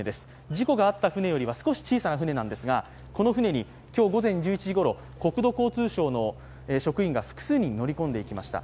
事故があった船よりは少し小さな船なんですが、この船に今日、国土交通省の職員が複数人、乗り込んでいきました。